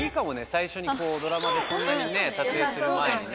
最初にドラマでそんなにね撮影する前にね。］